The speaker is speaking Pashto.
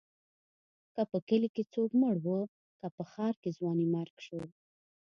که په کلي کې څوک مړ و، که په ښار کې ځوانيمرګ شو.